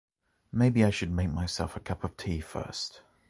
Maybe I should make myself a cup of tea first.